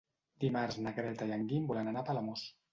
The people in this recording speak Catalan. Dimarts na Greta i en Guim volen anar a Palamós.